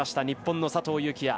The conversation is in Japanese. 日本の佐藤幸椰。